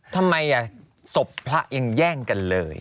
ทำไมศพพระยังแย่งกันเลย